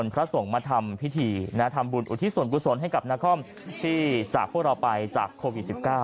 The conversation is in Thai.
พระสงฆ์มาทำพิธีทำบุญอุทิศส่วนกุศลให้กับนครที่จากพวกเราไปจากโควิด๑๙